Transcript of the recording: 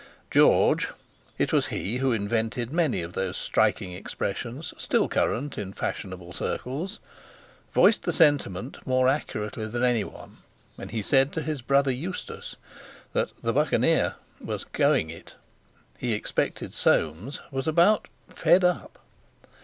George (it was he who invented many of those striking expressions still current in fashionable circles) voiced the sentiment more accurately than any one when he said to his brother Eustace that "the Buccaneer" was "going it". he expected Soames was about "fed up."